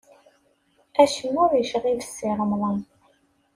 Acemma ur yecɣib Si Remḍan.